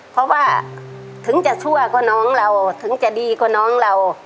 เพราะว่าถึงจะชั่วก็น้องเราถึงจะดีกว่าน้องเรา